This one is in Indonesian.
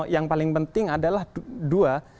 yang paling penting adalah dua